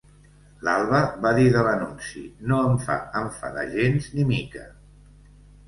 L'Alba va dir de l'anunci: No em fa enfadar gens ni mica.